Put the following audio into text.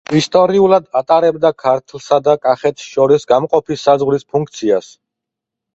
ისტორიულად ატარებდა ქართლსა და კახეთს შორის გამყოფი საზღვრის ფუნქციას.